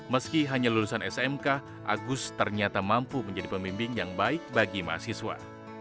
meski hanya lulusan smk agus ternyata mampu menjadi pemimpin yang baik bagi mahasiswa